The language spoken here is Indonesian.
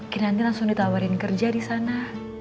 kinanti langsung ditawarin kerja di sana